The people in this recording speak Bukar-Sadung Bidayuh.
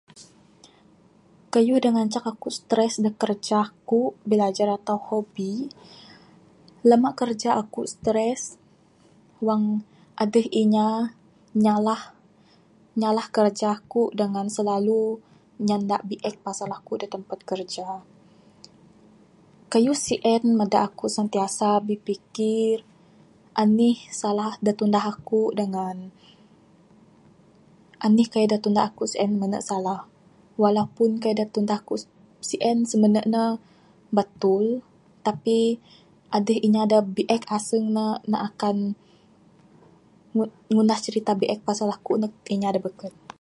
Kayuh da ngancak aku stress da kerja aku bila bilajar atau hobi, lama kerja aku stress Wang adeh inya nyalah nyalah kerja aku dangan selalu Nyanda biek pasal aku da tampat kerja. Kayuh sien mada aku sentiasa bipikir anih salah da tunah aku dangan anih da tunah aku sien mene salah walaupun kayuh da tunah aku sien smene ne batul tapi adeh inya da biek aseng ne, ne akan ngunah crita biek pasal aku neg inya da beken.